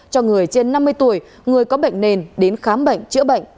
cho người trên năm mươi tuổi người có bệnh nền đến khám bệnh chữa bệnh tại cơ sở